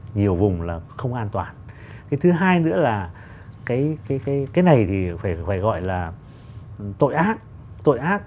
nhiều vùng là không an toàn thứ hai nữa là cái cái cái này thì phải phải gọi là tội ác